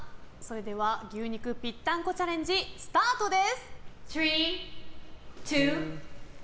牛肉ぴったんこチャレンジスタートです。